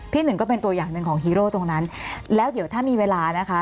หนึ่งก็เป็นตัวอย่างหนึ่งของฮีโร่ตรงนั้นแล้วเดี๋ยวถ้ามีเวลานะคะ